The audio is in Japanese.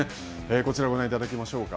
こちらをご覧いただきましょうか。